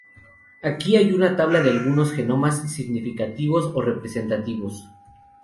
Aquí hay una tabla de algunos genomas significativos o representativos.